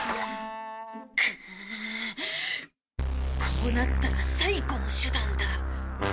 こうなったら最後の手段だ。